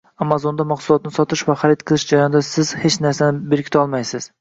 “Amazon”da mahsulotni sotish va xarid qilish jarayonida siz hech narsani berkitolmaysiz.